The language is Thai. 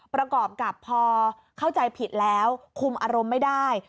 ประกอบกับพอเข้าใจผิดแล้วคุมอารมณ์ไม่ได้